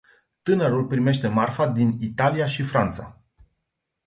Tânărul primește marfa din Italia și Franța.